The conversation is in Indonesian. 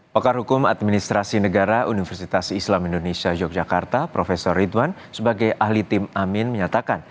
pakar hukum administrasi negara universitas islam indonesia yogyakarta prof ridwan sebagai ahli tim amin menyatakan